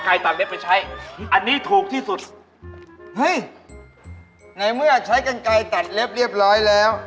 ขัดเล็บก่อนล้างมือให้เรียบร้อย